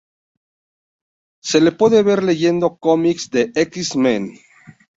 Se le puede ver leyendo cómics de X-Men.